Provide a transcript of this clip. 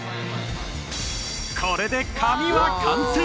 これで紙は完成！